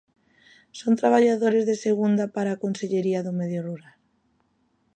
¿Son traballadores de segunda para a Consellería do Medio Rural?